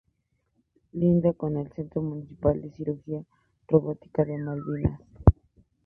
Linda con el Centro Municipal de Cirugía Robótica de Malvinas.